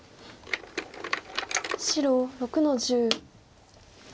白６の十。